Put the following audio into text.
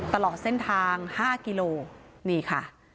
ตลอดเส้นทาง๕กิโลนี่ค่ะ